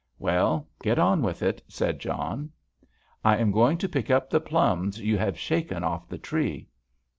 "Well, get on with it," said John. "I am going to pick up the plums you have shaken off the tree."